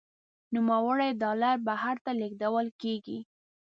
نوموړي ډالر بهر ته لیږدول کیږي.